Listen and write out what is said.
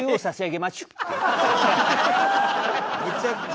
むちゃくちゃ。